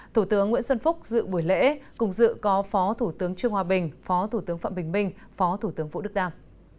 thủ tướng nguyễn xuân phúc dự buổi lễ cùng dự có phó thủ tướng trương hòa bình phó thủ tướng phạm bình minh phó thủ tướng vũ đức đam